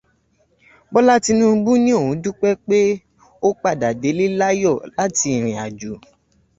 Bọ́lá Tinúbú ní òun dúpẹ́ pé ó padà délé láyọ̀ láti ìrìn àjò